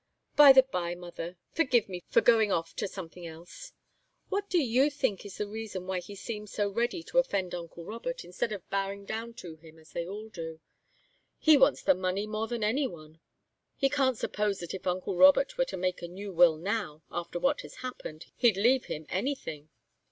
By the bye, mother, forgive me for going off to something else, what do you think is the reason why he seems so ready to offend uncle Robert, instead of bowing down to him, as they all do? He wants the money more than any one. He can't suppose that if uncle Robert were to make a new will now, after what has happened, he'd leave him anything.